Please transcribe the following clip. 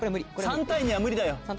３対２は無理だよ。